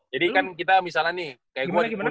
jadi kan kita misalnya nih kayak gue di kuliah nih